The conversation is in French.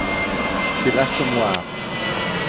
C’est L’Assommoir